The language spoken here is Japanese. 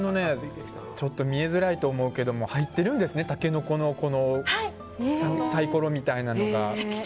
ちょっと見えづらいと思うけど入ってるんですね、タケノコのサイコロみたいなのが。